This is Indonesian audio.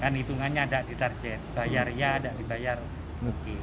kan hitungannya ada di target bayar ya tidak dibayar mungkin